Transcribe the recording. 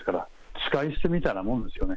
使い捨てみたいなもんですよね。